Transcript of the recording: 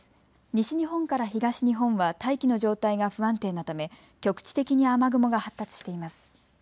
西日本から東日本は大気の状態が不安定なため局地的に雨雲が発達しています。